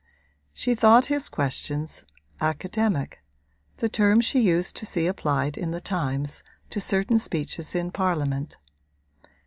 She thought his questions 'academic' the term she used to see applied in the Times to certain speeches in Parliament.